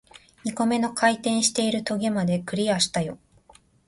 二個目の回転している棘まで、クリアしたよ